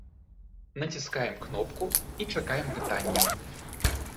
Націскаем кнопку і чакаем пытанняў.